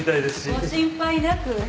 ご心配なく。